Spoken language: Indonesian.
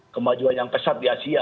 kemajuan yang pesat di asia